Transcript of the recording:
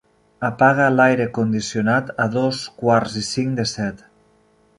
Apaga l'aire condicionat a dos quarts i cinc de set.